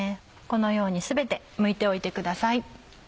このように全てむいておいてください。